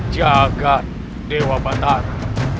jagad dewa batara